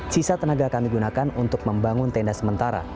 sisa tenaga kami gunakan untuk membangun tenda sementara